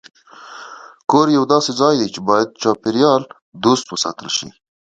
کور یو داسې ځای دی چې باید چاپېریال دوست وساتل شي.